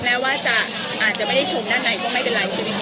แม้ว่าจะอาจจะไม่ได้ชมด้านในก็ไม่เป็นไรใช่ไหมคะ